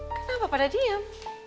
kenapa pada diem